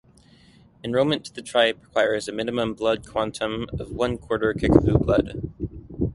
Enrollment to the tribe requires a minimum blood quantum of one-quarter Kickapoo blood.